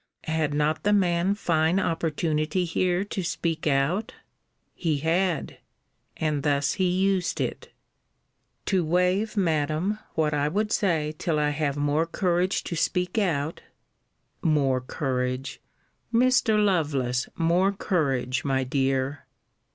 Had not the man a fine opportunity here to speak out? He had. And thus he used it. To wave, Madam, what I would say till I have more courage to speak out [More courage, Mr. Lovelace more courage, my dear!